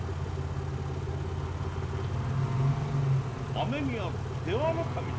雨宮出羽守殿！